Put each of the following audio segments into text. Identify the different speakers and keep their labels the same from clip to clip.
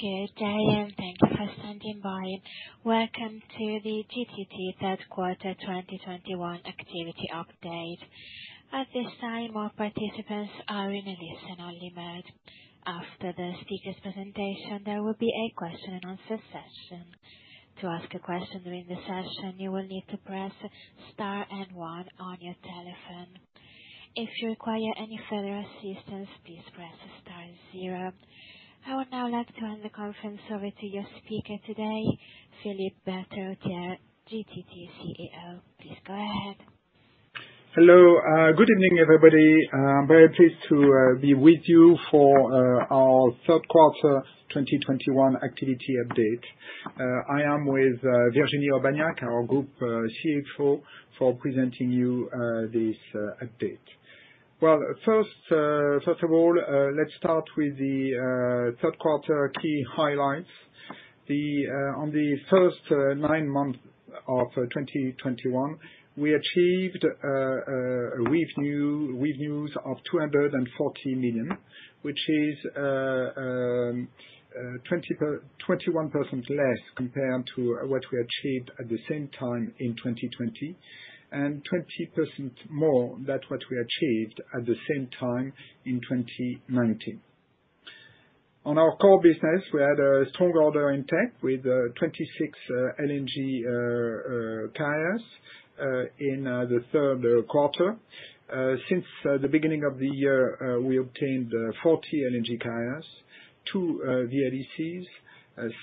Speaker 1: Good day and thank you for standing by. Welcome to the GTT third quarter 2021 activity update. At this time, all participants are in a listen-only mode. After the speaker's presentation, there will be a question-and-answer session. To ask a question during the session, you will need to press star and one on your telephone. If you require any further assistance, please press star zero. I would now like to hand the conference over to your speaker today, Philippe Berterottière, GTT CEO. Please go ahead.
Speaker 2: Hello. Good evening, everybody. I'm very pleased to be with you for our third quarter 2021 activity update. I am with Virginie Aubagnac, our group CFO, for presenting you this update. First of all, let's start with the third quarter key highlights. On the first nine months of 2021, we achieved a revenue of 240 million, which is 21% less compared to what we achieved at the same time in 2020, and 20% more than what we achieved at the same time in 2019. On our core business, we had a strong order intake with 26 LNG carriers in the third quarter. Since the beginning of the year, we obtained 40 LNG carriers, two VLECs,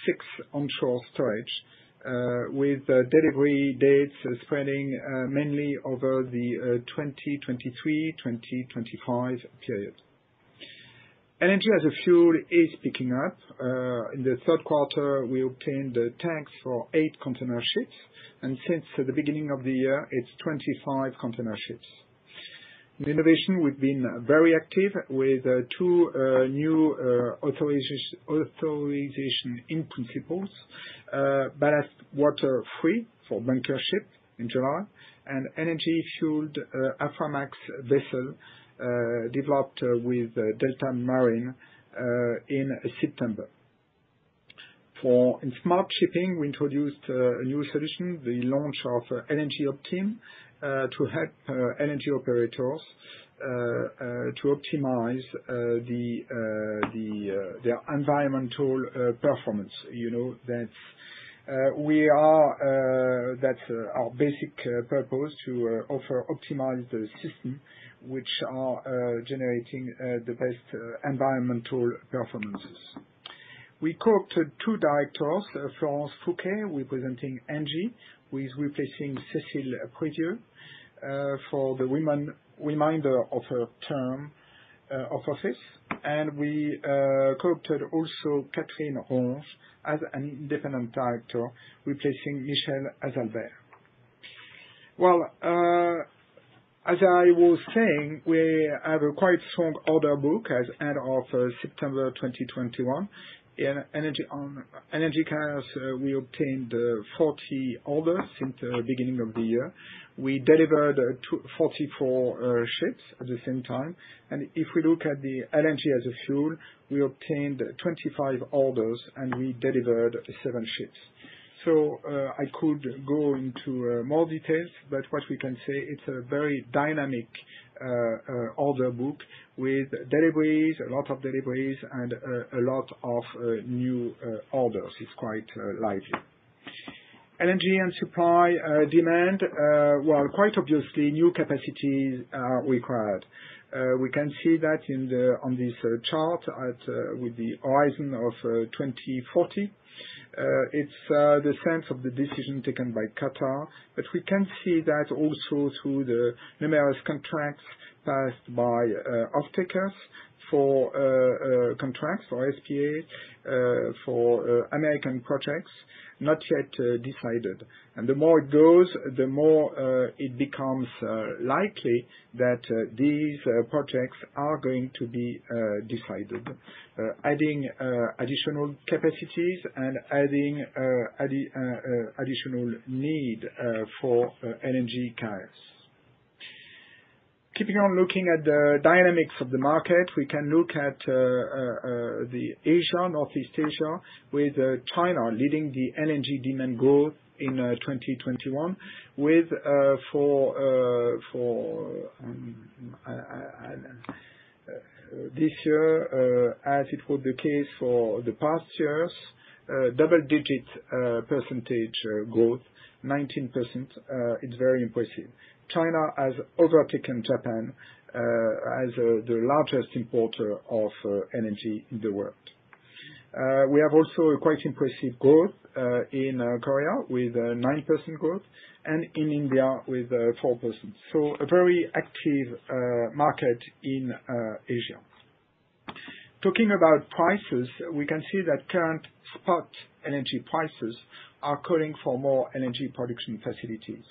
Speaker 2: six onshore storage, with delivery dates spreading mainly over the 2023-2025 period. LNG as a fuel is picking up. In the third quarter, we obtained tanks for eight container ships, and since the beginning of the year, it's 25 container ships. Innovation, we've been very active with two new authorizations in principle: ballast water free for bunker ship in July, and LNG-fueled Aframax vessel developed with Deltamarin in September. For smart shipping, we introduced a new solution, the launch of LNG Optim to help LNG operators to optimize their environmental performance. That's our basic purpose: to offer optimized systems which are generating the best environmental performances. We co-opted two directors, Florence Fouquet, representing ENGIE, who is replacing Cécile Prévieu for the remainder of her term of office, and we co-opted also Catherine Ronge as an independent director, replacing Michèle Azalbert. As I was saying, we have a quite strong order book as of the end of September 2021. In LNG carriers, we obtained 40 orders since the beginning of the year. We delivered 44 ships at the same time, and if we look at the LNG as a fuel, we obtained 25 orders, and we delivered seven ships, so I could go into more details, but what we can say, it's a very dynamic order book with deliveries, a lot of deliveries, and a lot of new orders. It's quite lively. LNG and supply demand, well, quite obviously, new capacities are required. We can see that on this chart with the horizon of 2040. It's the sense of the decision taken by Qatar, but we can see that also through the numerous contracts passed by off-takers for contracts, for SPA, for American projects not yet decided. And the more it goes, the more it becomes likely that these projects are going to be decided, adding additional capacities and adding additional need for LNG carriers. Keeping on looking at the dynamics of the market, we can look at Asia, Northeast Asia, with China leading the LNG demand growth in 2021. With for this year, as it was the case for the past years, double-digit percentage growth, 19%. It's very impressive. China has overtaken Japan as the largest importer of LNG in the world. We have also quite impressive growth in Korea with 9% growth, and in India with 4%. So a very active market in Asia. Talking about prices, we can see that current spot LNG prices are calling for more LNG production facilities.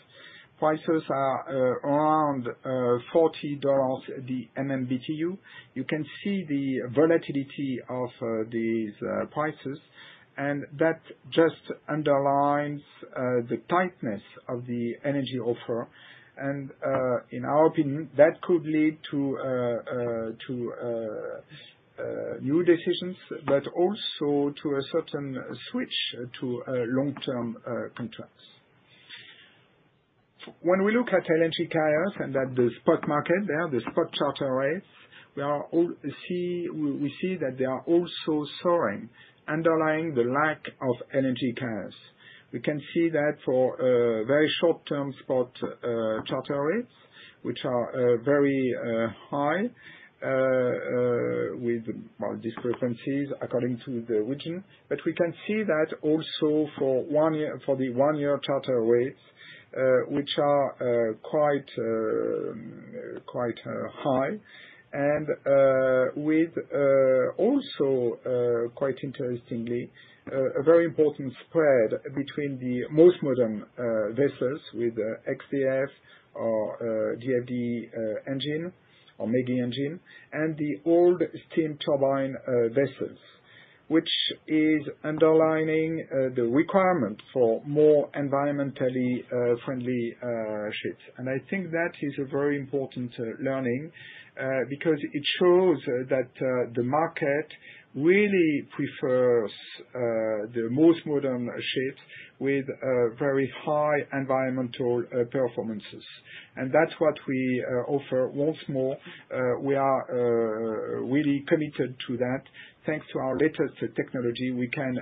Speaker 2: Prices are around $40 per MMBtu. You can see the volatility of these prices, and that just underlines the tightness of the LNG offer, and in our opinion, that could lead to new decisions, but also to a certain switch to long-term contracts. When we look at LNG carriers and at the spot market there, the spot charter rates, we see that they are also soaring, underlining the lack of LNG carriers. We can see that for very short-term spot charter rates, which are very high with discrepancies according to the region, but we can see that also for the one year charter rates, which are quite high, and with also, quite interestingly, a very important spread between the most modern vessels with X-DF or DFDE engine or ME-GI engine, and the old steam turbine vessels, which is underlining the requirement for more environmentally friendly ships. I think that is a very important learning because it shows that the market really prefers the most modern ships with very high environmental performances. And that's what we offer once more. We are really committed to that. Thanks to our latest technology, we can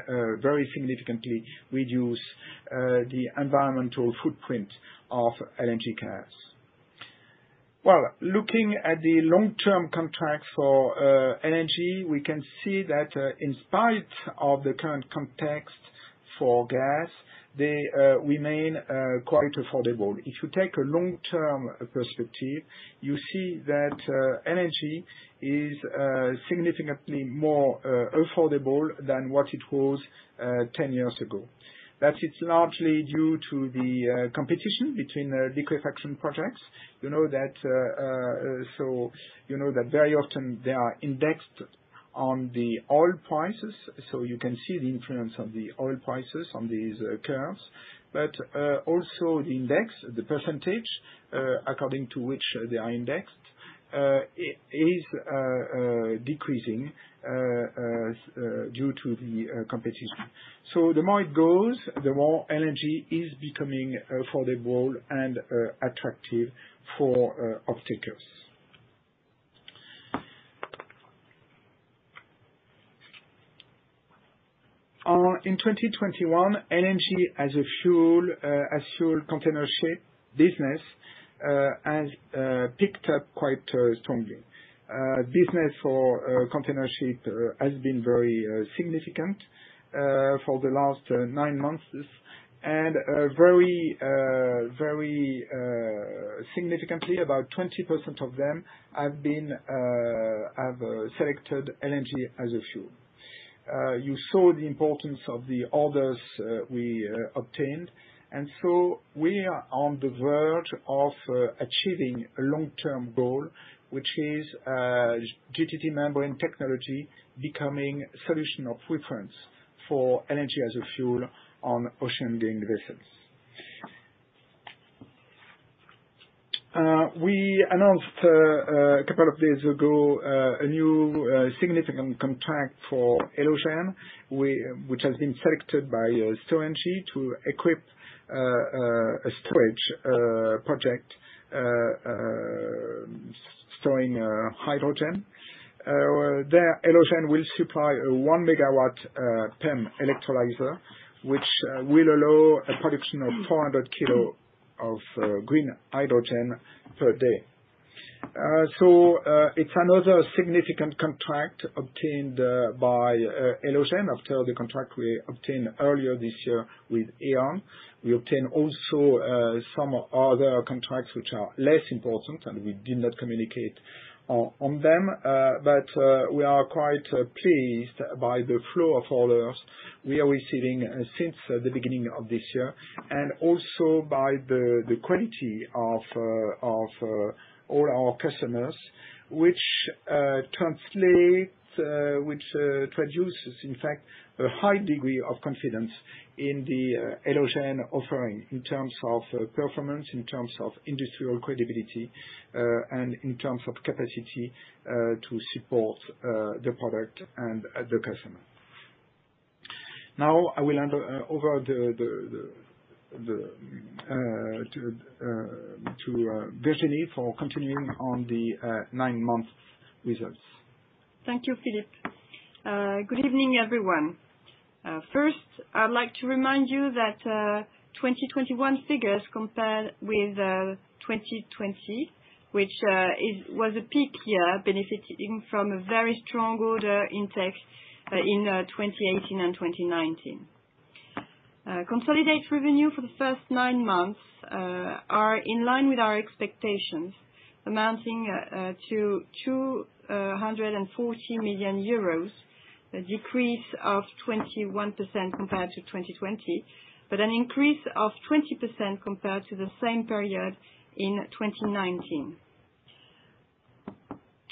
Speaker 2: very significantly reduce the environmental footprint of LNG carriers. Looking at the long-term contract for LNG, we can see that in spite of the current context for gas, they remain quite affordable. If you take a long-term perspective, you see that LNG is significantly more affordable than what it was 10 years ago. That is largely due to the competition between liquefaction projects. You know that very often they are indexed on the oil prices, so you can see the influence of the oil prices on these curves. Also, the index, the percentage according to which they are indexed, is decreasing due to the competition. So the more it goes, the more LNG is becoming affordable and attractive for off-takers. In 2021, LNG as a fuel container ship business has picked up quite strongly. Business for container ship has been very significant for the last nine months, and very significantly, about 20% of them have selected LNG as a fuel. You saw the importance of the orders we obtained, and so we are on the verge of achieving a long-term goal, which is GTT membrane technology becoming a solution of reference for LNG as a fuel on ocean-going vessels. We announced a couple of days ago a new significant contract for Elogen, which has been selected by Storengy to equip a storage project storing hydrogen. There, Elogen will supply a one MW PEM electrolyzer, which will allow a production of 400 kilos of green hydrogen per day. So it's another significant contract obtained by Elogen after the contract we obtained earlier this year with E.ON. We obtained also some other contracts which are less important, and we did not communicate on them, but we are quite pleased by the flow of orders we are receiving since the beginning of this year, and also by the quality of all our customers, which translates, which produces, in fact, a high degree of confidence in the Elogen offering in terms of performance, in terms of industrial credibility, and in terms of capacity to support the product and the customer. Now, I will hand over to Virginie for continuing on the nine-month results.
Speaker 3: Thank you, Philippe. Good evening, everyone. First, I'd like to remind you that 2021 figures compared with 2020, which was a peak year, benefiting from a very strong order intake in 2018 and 2019. Consolidated revenue for the first nine months are in line with our expectations, amounting to 240 million euros, a decrease of 21% compared to 2020, but an increase of 20% compared to the same period in 2019.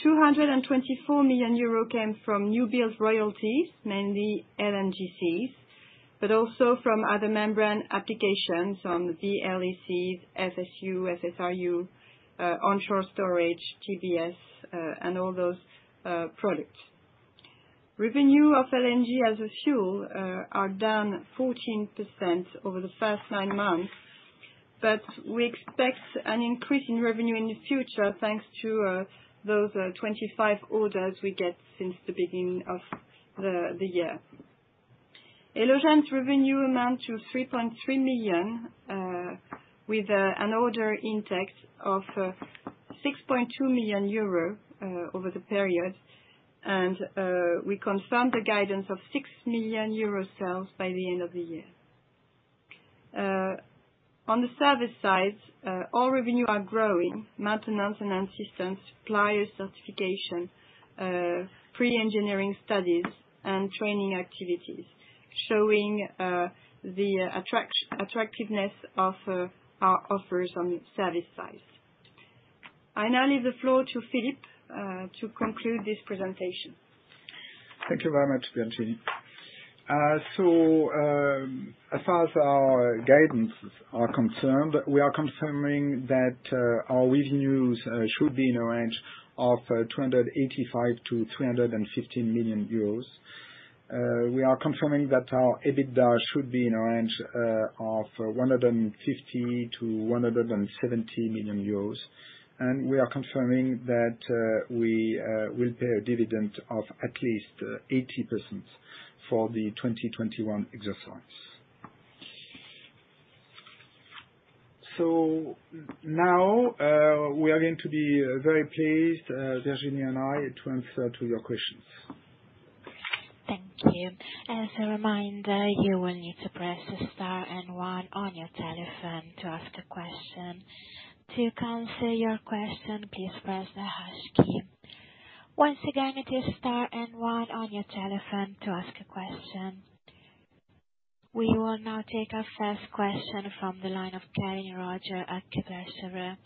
Speaker 3: 224 million euro came from new-build royalties, mainly LNGCs, but also from other membrane applications on VLECs, FSU, FSRU, onshore storage, GBS, and all those products. Revenue of LNG as a fuel is down 14% over the first nine months, but we expect an increase in revenue in the future thanks to those 25 orders we get since the beginning of the year. Elogen's revenue amounts to 3.3 million with an order intake of 6.2 million euro over the period, and we confirmed the guidance of 6 million euro in sales by the end of the year. On the service side, all revenues are growing: maintenance and assistance, supplier certification, pre-engineering studies, and training activities, showing the attractiveness of our offers on service side. I now leave the floor to Philippe to conclude this presentation.
Speaker 2: Thank you very much, Virginie. As far as our guidance is concerned, we are confirming that our revenues should be in the range of €285-€315 million. We are confirming that our EBITDA should be in the range of €150-€170 million, and we are confirming that we will pay a dividend of at least 80% for the 2021 exercise. Now, we are going to be very pleased, Virginie and I, to answer your questions.
Speaker 1: Thank you. As a reminder, you will need to press the star and one on your telephone to ask a question. To cancel your question, please press the hash key. Once again, it is star and one on your telephone to ask a question. We will now take our first question from the line of Kevin Roger at Kepler Cheuvreux.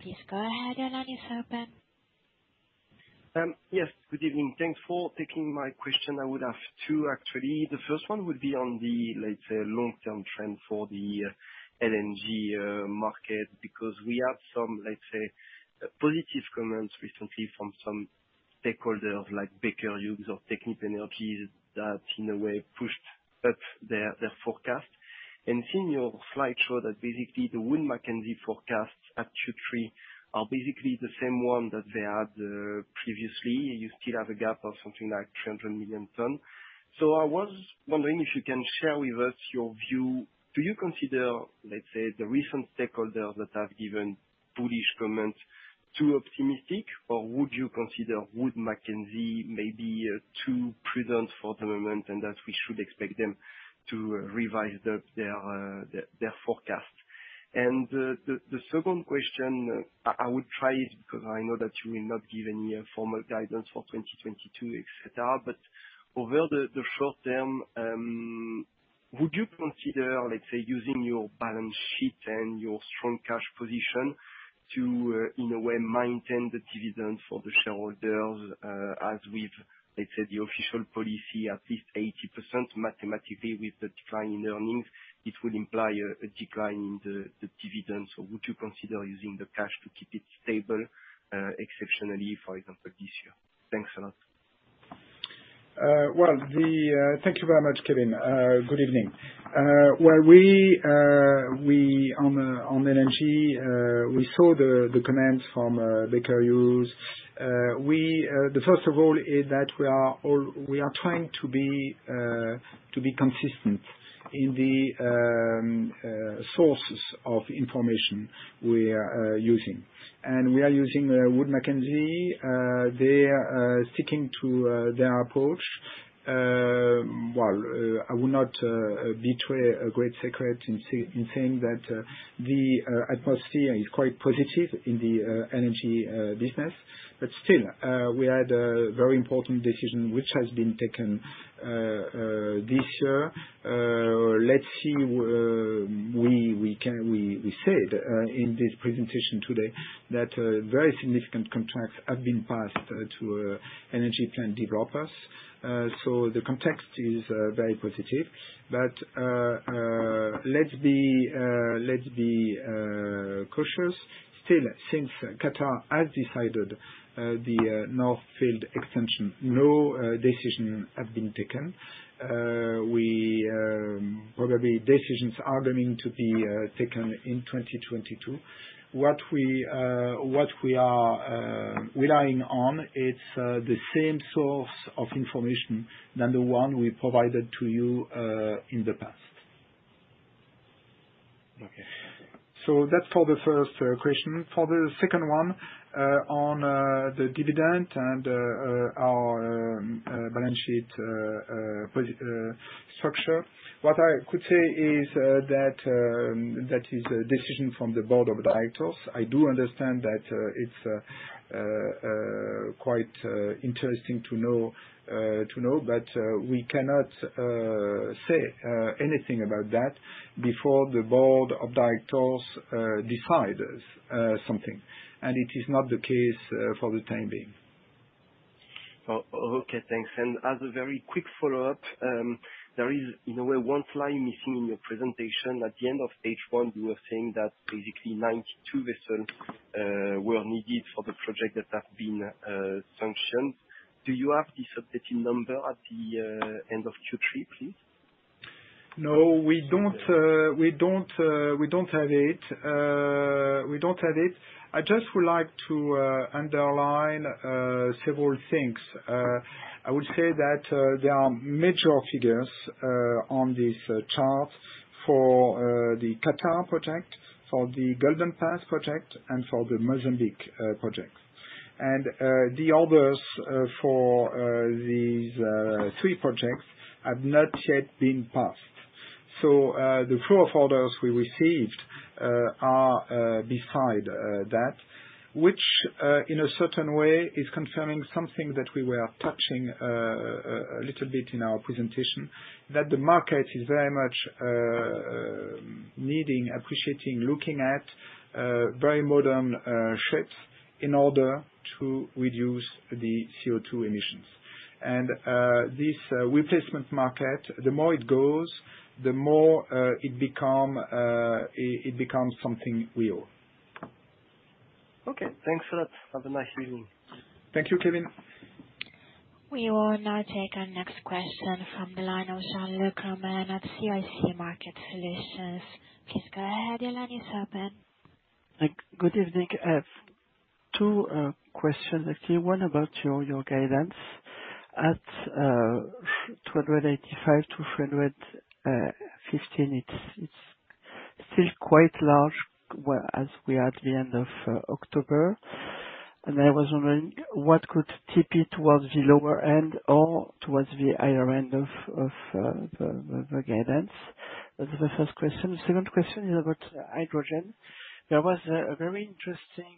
Speaker 1: Please go ahead, and then it's open.
Speaker 4: Yes, good evening. Thanks for taking my question. I would have two, actually. The first one would be on the, let's say, long-term trend for the LNG market because we had some, let's say, positive comments recently from some stakeholders like Baker Hughes or Technip Energy that, in a way, pushed up their forecast. And seeing your slide show that basically the Wood Mackenzie forecast at Q3 are basically the same one that they had previously, you still have a gap of something like 300 million tonnes. So I was wondering if you can share with us your view. Do you consider, let's say, the recent stakeholders that have given bullish comments too optimistic, or would you consider Wood Mackenzie maybe too prudent for the moment and that we should expect them to revise their forecast? And the second question, I would try it because I know that you will not give any formal guidance for 2022, etc., but over the short term, would you consider, let's say, using your balance sheet and your strong cash position to, in a way, maintain the dividend for the shareholders as with, let's say, the official policy, at least 80% mathematically with the decline in earnings, it would imply a decline in the dividend? So would you consider using the cash to keep it stable exceptionally, for example, this year? Thanks a lot.
Speaker 2: Thank you very much, Kevin. Good evening. On LNG, we saw the comments from Baker Hughes. The first of all is that we are trying to be consistent in the sources of information we are using. And we are using Wood Mackenzie. They are sticking to their approach. I will not betray a great secret in saying that the atmosphere is quite positive in the energy business, but still, we had a very important decision which has been taken this year. Let's see, we said in this presentation today that very significant contracts have been passed to LNG plant developers. The context is very positive, but let's be cautious. Still, since Qatar has decided the North Field Extension, no decision has been taken. Probably decisions are going to be taken in 2022. What we are relying on, it's the same source of information than the one we provided to you in the past. Okay. So that's for the first question. For the second one on the dividend and our balance sheet structure, what I could say is that that is a decision from the board of directors. I do understand that it's quite interesting to know, but we cannot say anything about that before the board of directors decides something, and it is not the case for the time being.
Speaker 4: Okay, thanks. And as a very quick follow-up, there is, in a way, one slide missing in your presentation. At the end of page one, you were saying that basically 92 vessels were needed for the project that have been sanctioned. Do you have this updated number at the end of Q3, please?
Speaker 2: No, we don't have it. We don't have it. I just would like to underline several things. I would say that there are major figures on this chart for the Qatar project, for the Golden Pass project, and for the Mozambique project. And the orders for these three projects have not yet been passed. So the flow of orders we received are beside that, which in a certain way is confirming something that we were touching a little bit in our presentation, that the market is very much needing, appreciating, looking at very modern ships in order to reduce the CO2 emissions. And this replacement market, the more it goes, the more it becomes something real.
Speaker 4: Okay, thanks a lot. Have a nice evening.
Speaker 2: Thank you, Kevin.
Speaker 1: We will now take our next question from the line of Jean-Luc Romain at CIC Market Solutions. Please go ahead, and then it's open.
Speaker 5: Good evening. I have two questions, actually. One about your guidance at 285 to 315. It's still quite large as we are at the end of October. And I was wondering what could tip it towards the lower end or towards the higher end of the guidance. That's the first question. The second question is about hydrogen. There was a very interesting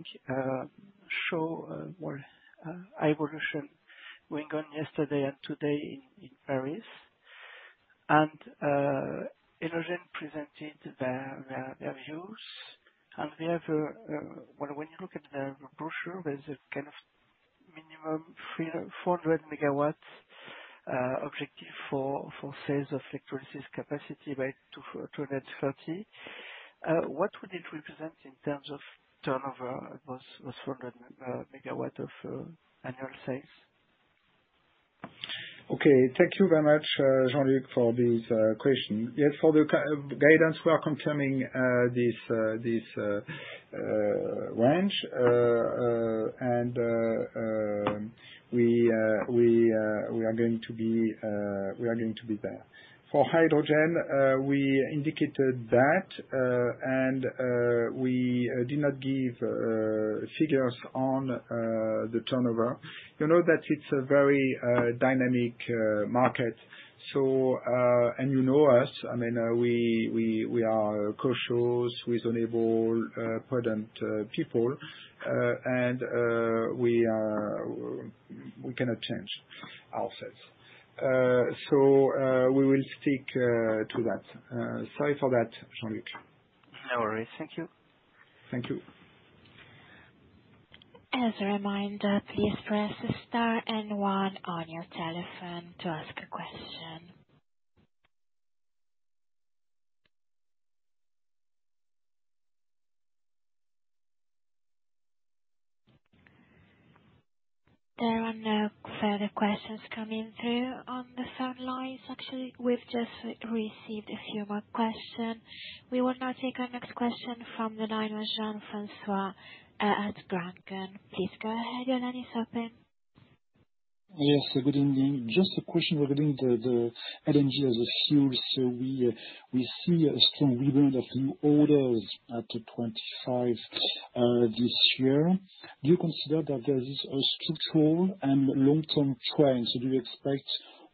Speaker 5: show, HyVolution going on yesterday and today in Paris, and Elogen presented their views. And when you look at their brochure, there's a kind of minimum 400 MW objective for sales of electrolysis capacity by 2030. What would it represent in terms of turnover? It was 400 MW of annual sales.
Speaker 2: Okay, thank you very much, Jean-Luc, for this question. Yes, for the guidance, we are confirming this range, and we are going to be there. For hydrogen, we indicated that, and we did not give figures on the turnover. You know that it's a very dynamic market, and you know us. I mean, we are cautious, reasonable, prudent people, and we cannot change ourselves. So we will stick to that. Sorry for that, Jean-Luc.
Speaker 5: No worries. Thank you.
Speaker 2: Thank you.
Speaker 1: As a reminder, please press the star and one on your telephone to ask a question. There are no further questions coming through on the phone lines, actually. We've just received a few more questions. We will now take our next question from the line of Jean-François Granjon. Please go ahead, and then it's open.
Speaker 6: Yes, good evening. Just a question regarding the LNG as a fuel. So we see a strong rebound of new orders at 25 this year. Do you consider that there is a structural and long-term trend? So do you expect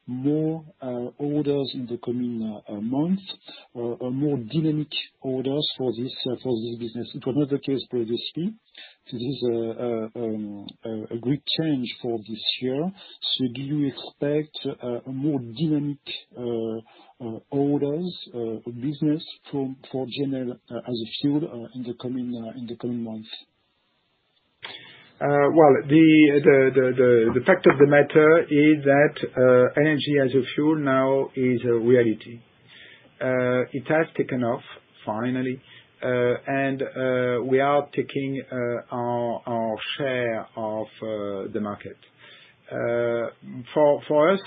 Speaker 6: more orders in the coming months, more dynamic orders for this business? It was not the case previously. This is a great change for this year. So do you expect more dynamic orders of business for LNG as a fuel in the coming months?
Speaker 2: The fact of the matter is that LNG as a fuel now is a reality. It has taken off finally, and we are taking our share of the market. For us,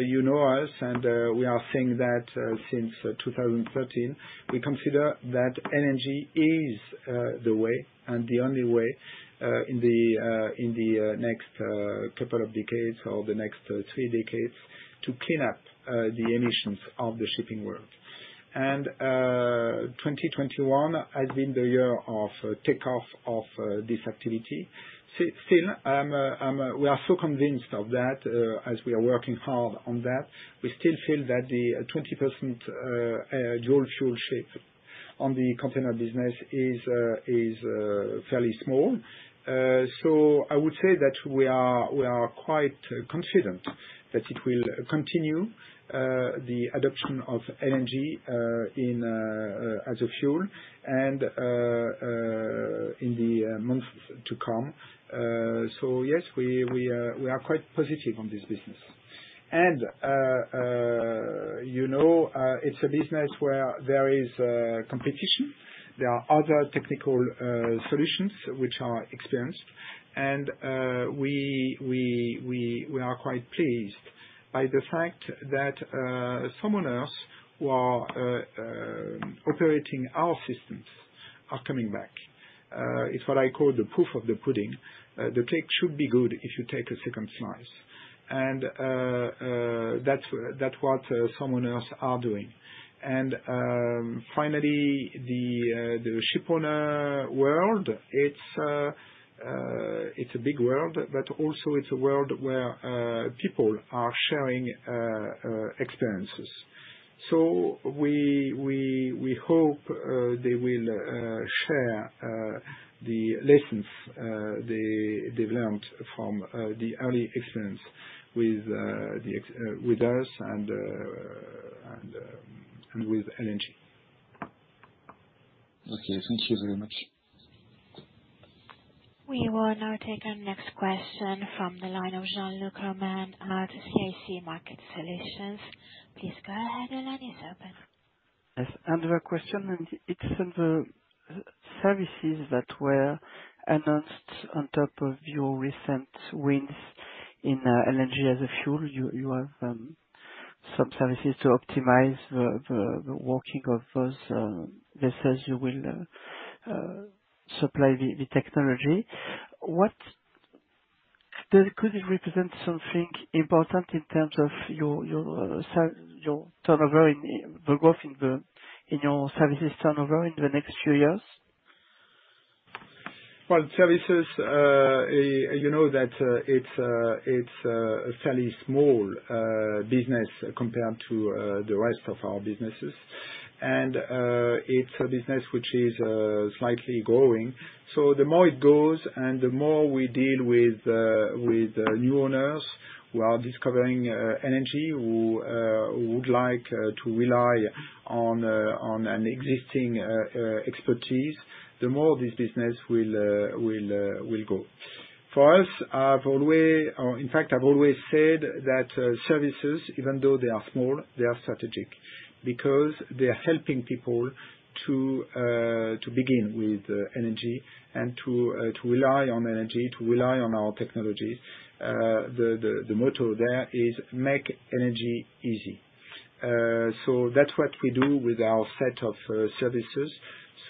Speaker 2: you know us, and we are seeing that since 2013. We consider that LNG is the way and the only way in the next couple of decades or the next three decades to clean up the emissions of the shipping world. And 2021 has been the year of takeoff of this activity. Still, we are so convinced of that as we are working hard on that. We still feel that the 20% dual fuel share on the container business is fairly small. So I would say that we are quite confident that it will continue the adoption of LNG as a fuel and in the months to come. So yes, we are quite positive on this business. And it's a business where there is competition. There are other technical solutions which are experienced, and we are quite pleased by the fact that some owners who are operating our systems are coming back. It's what I call the proof of the pudding. The cake should be good if you take a second slice. And that's what some owners are doing. And finally, the ship owner world, it's a big world, but also it's a world where people are sharing experiences. So we hope they will share the lessons they've learned from the early experience with us and with LNG.
Speaker 6: Okay, thank you very much.
Speaker 1: We will now take our next question from the line of Jean-Luc Romain at CIC Market Solutions. Please go ahead, and then it's open.
Speaker 5: Another question. It's on the services that were announced on top of your recent wins in LNG as a fuel. You have some services to optimize the working of those vessels you will supply the technology. Could it represent something important in terms of your turnover in the growth in your services turnover in the next few years?
Speaker 2: Services, you know that it's a fairly small business compared to the rest of our businesses, and it's a business which is slightly growing. So the more it goes and the more we deal with new owners who are discovering LNG who would like to rely on an existing expertise, the more this business will grow. For us, in fact, I've always said that services, even though they are small, they are strategic because they are helping people to begin with LNG and to rely on LNG, to rely on our technologies. The motto there is, "Make LNG easy." So that's what we do with our set of services.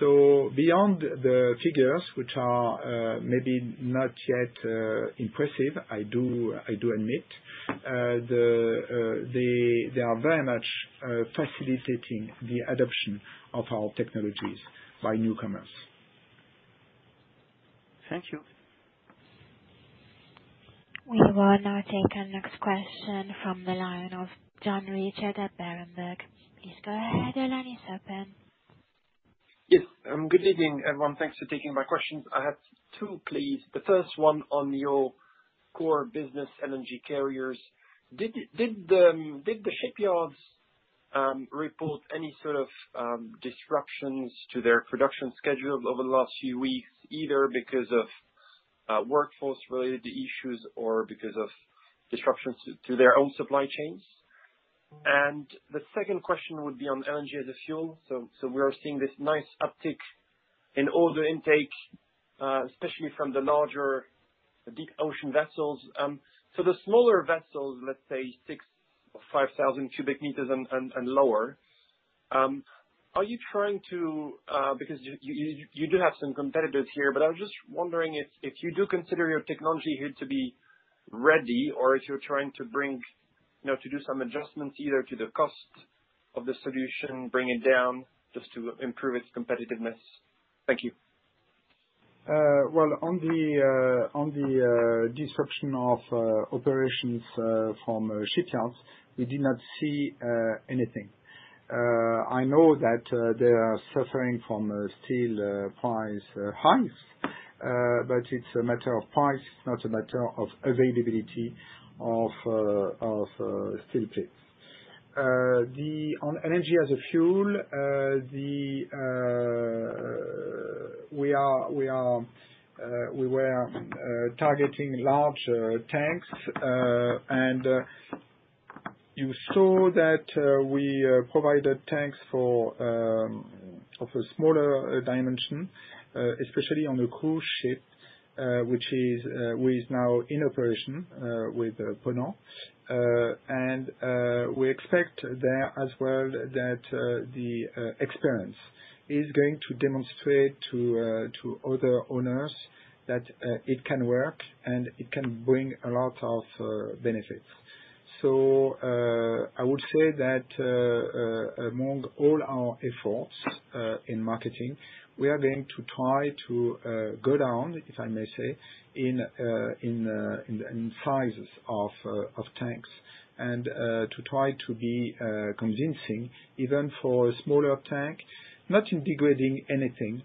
Speaker 2: So beyond the figures, which are maybe not yet impressive, I do admit they are very much facilitating the adoption of our technologies by newcomers.
Speaker 4: Thank you.
Speaker 1: We will now take our next question from the line of Jan Richard at Berenberg. Please go ahead, and then it's open.
Speaker 7: Yes, good evening, everyone. Thanks for taking my questions. I have two, please. The first one on your core business, LNG carriers. Did the shipyards report any sort of disruptions to their production schedule over the last few weeks, either because of workforce-related issues or because of disruptions to their own supply chains, and the second question would be on LNG as a fuel, so we are seeing this nice uptick in order intake, especially from the larger deep ocean vessels, so the smaller vessels, let's say six or 5,000 cubic meters and lower, are you trying to, because you do have some competitors here, but I was just wondering if you do consider your technology here to be ready or if you're trying to do some adjustments either to the cost of the solution, bring it down just to improve its competitiveness? Thank you.
Speaker 2: On the disruption of operations from shipyards, we did not see anything. I know that they are suffering from steel price hikes, but it's a matter of price. It's not a matter of availability of steel plates. On LNG as a fuel, we were targeting large tanks, and you saw that we provided tanks of a smaller dimension, especially on a cruise ship, which is now in operation with Ponant, and we expect there as well that the experience is going to demonstrate to other owners that it can work and it can bring a lot of benefits. I would say that among all our efforts in marketing, we are going to try to go down, if I may say, in sizes of tanks and to try to be convincing even for a smaller tank, not in degrading anything.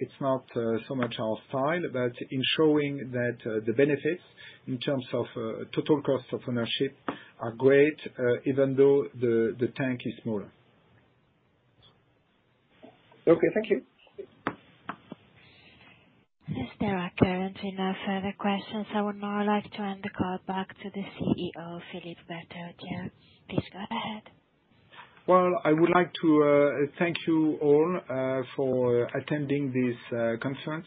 Speaker 2: It's not so much our style, but in showing that the benefits in terms of total cost of ownership are great, even though the tank is smaller.
Speaker 7: Okay, thank you.
Speaker 1: There are currently no further questions. I would now like to hand the call back to the CEO, Philippe Berterottière. Please go ahead.
Speaker 2: I would like to thank you all for attending this conference.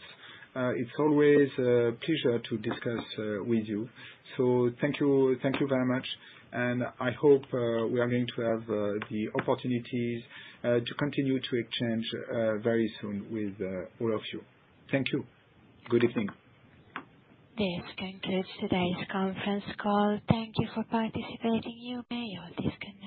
Speaker 2: It's always a pleasure to discuss with you. Thank you very much, and I hope we are going to have the opportunities to continue to exchange very soon with all of you. Thank you. Good evening.
Speaker 1: This concludes today's conference call. Thank you for participating. You may all disconnect.